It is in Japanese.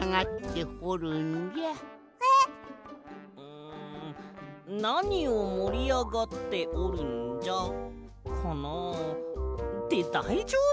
ん「なにをもりあがっておるんじゃ」かなあ？ってだいじょうぶ？